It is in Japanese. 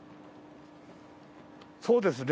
そうですね。